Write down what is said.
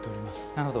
なるほど。